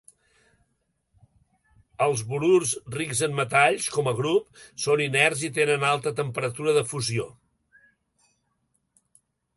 Els borurs rics en metalls, como a grup, són inerts i tenen alta temperatura de fusió.